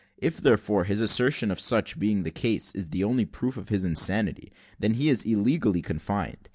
If, therefore, his assertion of such being the case, is the only proof of his insanity, he is illegally confined.